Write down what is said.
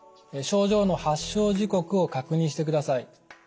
症状の発症時刻を確認してください。